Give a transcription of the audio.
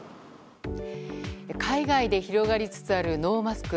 海外で広がりつつあるノーマスク。